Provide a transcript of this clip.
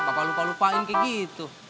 bapak lupa lupain kayak gitu